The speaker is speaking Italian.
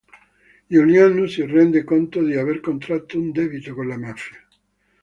Giuliano si rende conto di aver contratto un debito con la mafia.